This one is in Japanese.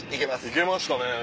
いけましたね